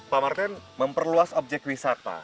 pak martin memperluas objek wisata